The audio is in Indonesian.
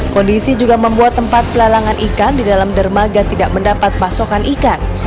kondisi juga membuat tempat pelalangan ikan di dalam dermaga tidak mendapat pasokan ikan